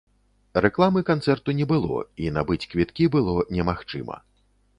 Рэкламы канцэрту не было і набыць квіткі было немагчыма.